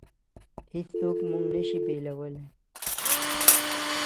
هېڅوک موږ نشي بېلولی.